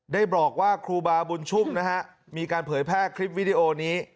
ได้บอกว่าครูบาบุญชุ่มนะฮะมีการเผยแพร่คลิปวิดีโอนี้